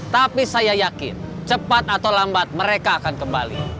tapi saya yakin cepat atau lambat mereka akan kembali